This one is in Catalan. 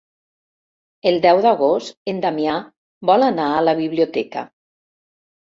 El deu d'agost en Damià vol anar a la biblioteca.